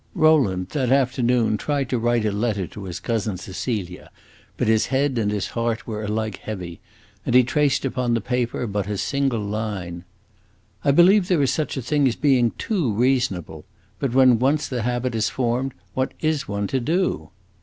Rowland that afternoon tried to write a letter to his cousin Cecilia, but his head and his heart were alike heavy, and he traced upon the paper but a single line. "I believe there is such a thing as being too reasonable. But when once the habit is formed, what is one to do?"